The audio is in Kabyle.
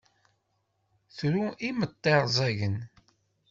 Tru imeṭṭi rẓagen.